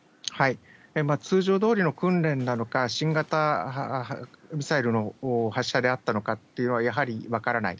通常どおりの訓練なのか、新型ミサイルの発射であったのかというのは、やはり分からない。